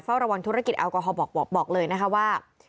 ระวังธุรกิจแอลกอฮอลบอกเลยนะคะว่า